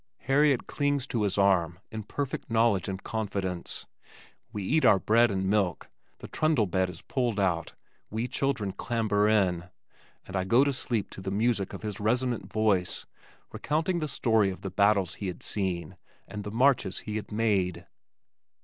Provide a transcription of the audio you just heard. Harriet clings to his hand in perfect knowledge and confidence. We eat our bread and milk, the trundle bed is pulled out, we children clamber in, and I go to sleep to the music of his resonant voice recounting the story of the battles he had seen, and the marches he had made.